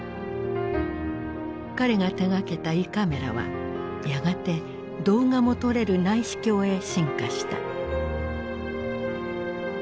彼が手がけた胃カメラはやがて動画も撮れる内視鏡へ進化した。